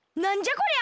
こりゃ！